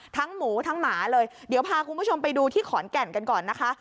หมูทั้งหมาเลยเดี๋ยวพาคุณผู้ชมไปดูที่ขอนแก่นกันก่อนนะคะ